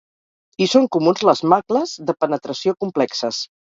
Hi són comuns les macles de penetració complexes.